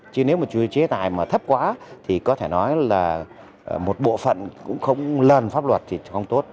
chứ nếu mà chế tài mà thấp quá thì có thể nói là một bộ phận cũng không lần pháp luật thì không tốt